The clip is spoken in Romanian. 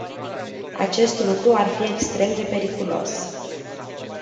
Acest lucru ar fi extrem de periculos.